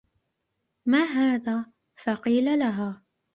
مَا هَذَا ؟ فَقِيلَ لَهَا